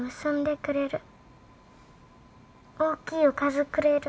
大きいおかずくれる。